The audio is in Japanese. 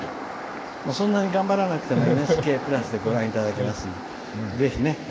そんなに頑張らなくてもＮＨＫプラスでご覧いただけますんでぜひね。